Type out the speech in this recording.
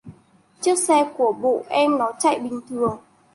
Chiếc xe của bộ em nó chạy bình thường